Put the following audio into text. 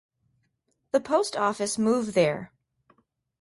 The post office move there.